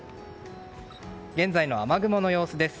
現在の雨雲の様子です。